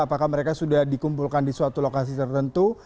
apakah mereka sudah dikumpulkan di suatu lokasi tertentu